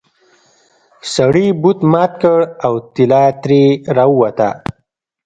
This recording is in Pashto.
سړي بت مات کړ او طلا ترې راووته.